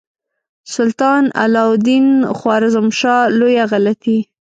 سلطان علاء الدین خوارزمشاه لویه غلطي.